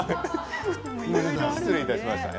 失礼いたしました。